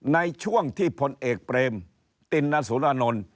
ในช่วงที่พลเอกเปรมตินสุรานนท์